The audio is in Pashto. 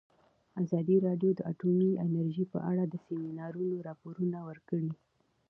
ازادي راډیو د اټومي انرژي په اړه د سیمینارونو راپورونه ورکړي.